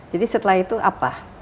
jadi setelah itu apa